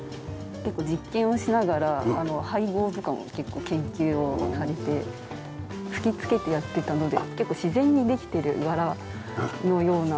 結構実験をしながら配合とかも結構研究をされて吹き付けてやってたので結構自然にできてる柄のような。